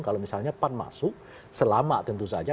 kalau misalnya pan masuk selama tentu saja